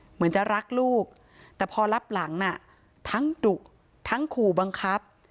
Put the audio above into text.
เหมือนจะรักลูกแต่พอรับหลังทั้งดุทั้งขู่บังคับ